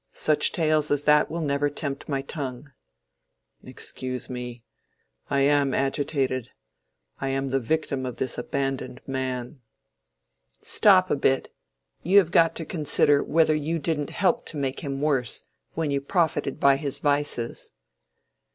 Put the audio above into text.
Such tales as that will never tempt my tongue." "Excuse me—I am agitated—I am the victim of this abandoned man." "Stop a bit! you have got to consider whether you didn't help to make him worse, when you profited by his vices."